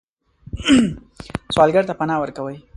سوالګر ته پناه ورکوئ